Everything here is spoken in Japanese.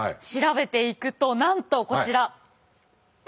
調べていくとなんとこちら。